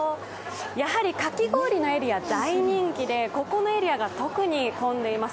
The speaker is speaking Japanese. やはりかき氷のエリア、大人気でここのエリアが特に混んでいます。